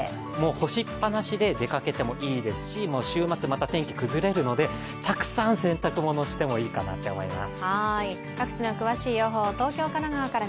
干しっぱなしで出かけてもいいですし、週末また天気崩れるのでたくさん洗濯物してもいいかなと思います。